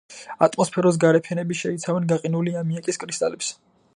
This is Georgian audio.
ატმოსფეროს გარე ფენები შეიცავენ გაყინული ამიაკის კრისტალებს.